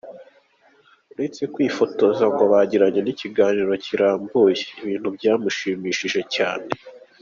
Uretse kwifotoza ngo bagiranye n’ikiganiro kirambuye, ibintu byamushimishije cyane.